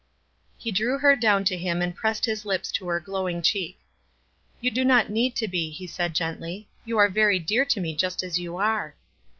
He drew her down to him and pressed his lips to her glowing cheek. "You do not need to be," he said, gently. "You are very dear to me just as you are."